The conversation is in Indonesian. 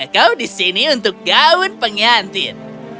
kau disini untuk gaun pengantin